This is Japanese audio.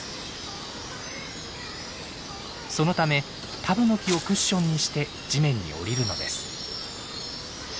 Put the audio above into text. そのためタブノキをクッションにして地面に降りるのです。